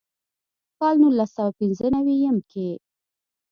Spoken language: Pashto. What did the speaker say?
کال نولس سوه پينځۀ نوي يم کښې